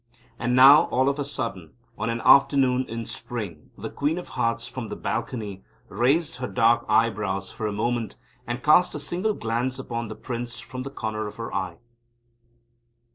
And now, all of a sudden, on an afternoon in spring the Queen of Hearts from the balcony raised her dark eyebrows for a moment, and cast a single glance upon the Prince from the corner of her eye.